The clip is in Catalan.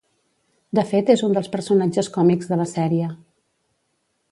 De fet és un dels personatges còmics de la sèrie.